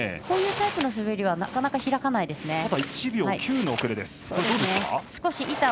こういうタイプの滑りはなかなか開かないですね。